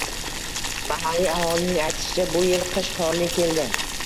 Mahalliy aholining aytishicha, bu yil qish qorli keldi